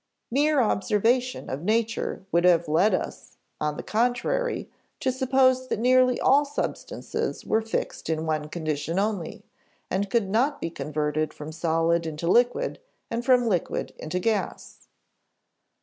Mere observation of nature would have led us, on the contrary, to suppose that nearly all substances were fixed in one condition only, and could not be converted from solid into liquid and from liquid into gas."